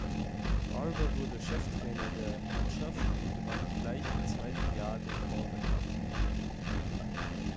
Barber wurde Cheftrainer der Mannschaft und gewann gleich im zweiten Jahr den Calder Cup.